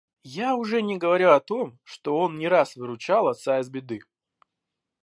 Я уже не говорю о том, что он не раз выручал отца из беды.